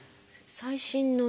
最新のね